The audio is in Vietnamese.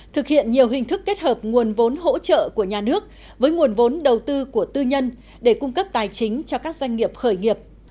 thực hiện nhiều hình thức kết hợp nguồn vốn hỗ trợ của nhà nước với nguồn vốn đầu tư của tư nhân để cung cấp tài chính cho các doanh nghiệp khởi nghiệp